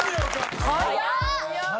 早っ！